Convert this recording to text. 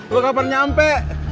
lu gak pernah nyampe